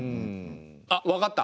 あっ分かった！